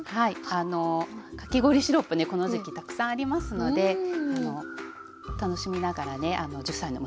あのかき氷シロップねこの時期たくさんありますので楽しみながらね１０歳の娘とつくってます。